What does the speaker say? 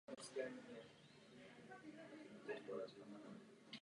Nakonec je naprosto neuspokojivý, pokud se týká sociálních dopadů.